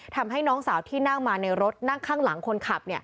ทำให้น้องสาวที่นั่งมาในรถนั่งข้างหลังคนขับ